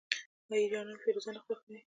آیا ایرانیان فیروزه نه خوښوي؟